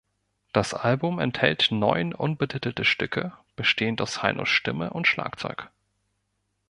Das Album enthält neun unbetitelte Stücke, bestehend aus Hainos Stimme und Schlagzeug.